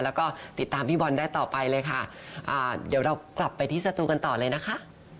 แล้วก็ติดตามพี่บอลได้ต่อไปเลยค่ะอ่าเดี๋ยวเรากลับไปที่สตูกันต่อเลยนะคะ